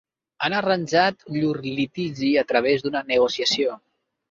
Han arranjat llur litigi a través d'una negociació.